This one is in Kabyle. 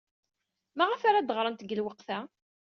Maɣef ara d-ɣrent deg lweqt-a?